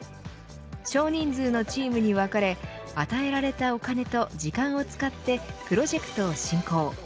少人数のチームに分かれ与えられたお金と時間を使ってプロジェクトを進行。